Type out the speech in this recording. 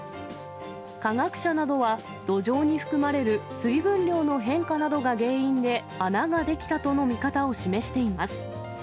科学者などは土壌に含まれる水分量の変化などが原因で、穴が出来たとの見方を示しています。